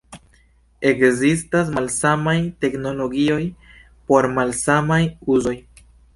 Ekzistas malsamaj teknologioj por malsamaj uzoj.